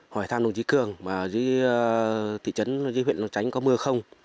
hỏi thăm đồng chí cường và dưới thị trấn dưới huyện tránh có mưa không